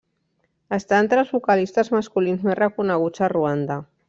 Està entre els vocalistes masculins més reconeguts a Ruanda.